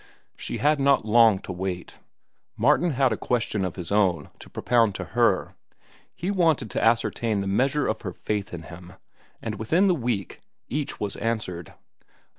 She had not long to wait. Martin had a question of his own to propound to her. He wanted to ascertain the measure of her faith in him, and within the week each was answered.